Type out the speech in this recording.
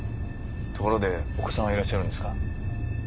ところでお子さんはいらっしゃるんですか？